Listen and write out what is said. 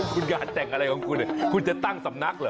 คุณงานแต่งอะไรของคุณคุณจะตั้งสำนักเหรอ